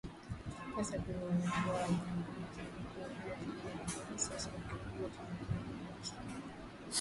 hasa yenye Wanyamwezi huku wilaya zingine zikiwa kwa kiasi kikubwa zimekaliwa na wasukuma waliotokea